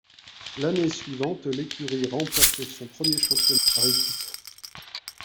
L'année suivante, l'écurie remporte son premier championnat par équipes.